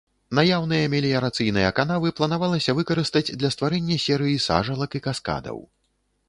Наяўныя меліярацыйныя канавы планавалася выкарыстаць для стварэння серыі сажалак і каскадаў.